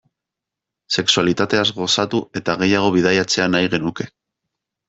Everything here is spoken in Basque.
Sexualitateaz gozatu eta gehiago bidaiatzea nahi genuke.